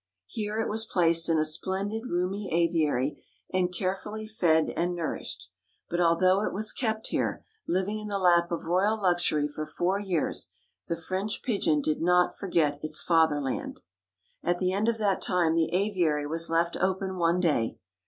Here it was placed in a splendid roomy aviary and carefully fed and nourished; but, although it was kept here, living in the lap of royal luxury for four years, the French pigeon did not forget its fatherland. At the end of that time the aviary was left open one day.